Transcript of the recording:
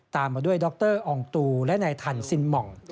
ตามมาด้วยดรอองตูและนายทันซินหม่อง